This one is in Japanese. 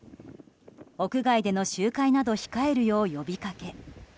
屋外での集会など控えるよう呼びかけ。